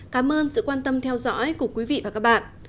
cảm ơn sự quan tâm theo dõi của quý vị và các bạn